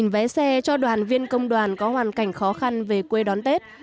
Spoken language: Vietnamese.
một vé xe cho đoàn viên công đoàn có hoàn cảnh khó khăn về quê đón tết